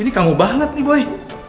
ini kamu banget nih boy